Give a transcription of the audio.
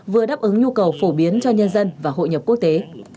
vừa đáp ứng nhu cầu phổ biến cho nhân dân và hội nhập quốc tế